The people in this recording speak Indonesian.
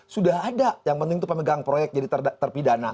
sudah ada yang penting itu pemegang proyek jadi terpidana